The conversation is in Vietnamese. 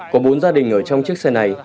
có bốn gia đình ở trong chiếc xe này